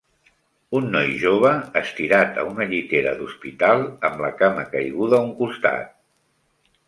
Un noi jove estirat a una llitera d'hospital amb la cama caiguda a un costat.